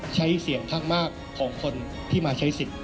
เสียงข้างมากของคนที่มาใช้สิทธิ์